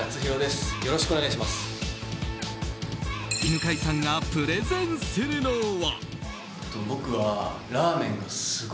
犬飼さんがプレゼンするのは。